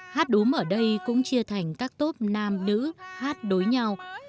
hát đốm ở đây cũng chia thành các tốp nam nữ hát đối nhau